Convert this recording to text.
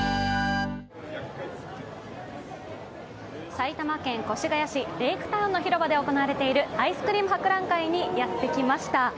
埼玉県越谷市レイクタウンの広場で行われているアイスクリーム博覧会にやってきました。